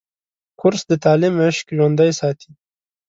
کورس د تعلیم عشق ژوندی ساتي.